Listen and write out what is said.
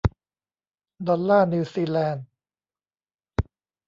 ดอลลาร์นิวซีแลนด์